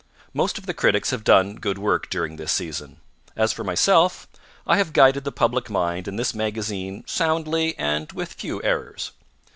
Most of the critics have done good work during this season. As for myself, I have guided the public mind in this magazine soundly and with few errors.